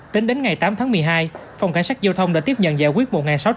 tính đến ngày tám tháng một mươi hai phòng cảnh sát giao thông đã tiếp nhận giải quyết